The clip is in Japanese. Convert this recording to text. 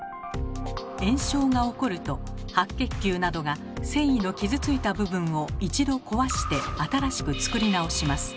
炎症が起こると白血球などが線維の傷ついた部分を一度壊して新しく作り直します。